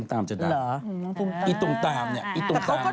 ตอนนี้ที่รู้สึกที่รู้สึก